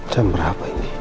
jam berapa ini